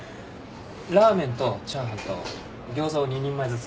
ラーメンとチャーハンとギョーザを２人前ずつ。